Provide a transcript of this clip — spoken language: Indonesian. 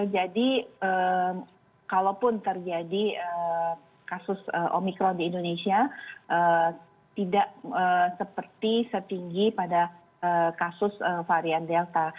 jadi kalaupun terjadi kasus omikron di indonesia tidak seperti setinggi pada kasus varian delta